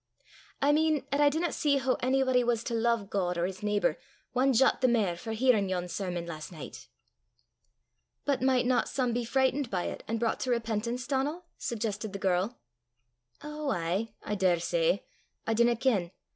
I mean, 'at I dinna see hoo onybody was to lo'e God or his neebour ae jot the mair for hearin' yon sermon last nicht." "But might not some be frightened by it, and brought to repentance, Donal?" suggested the girl. "Ou aye; I daur say; I dinna ken.